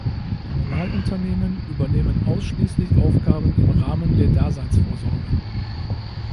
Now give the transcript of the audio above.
Kommunalunternehmen übernehmen ausschließlich Aufgaben im Rahmen der Daseinsvorsorge.